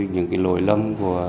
những cái lỗi lầm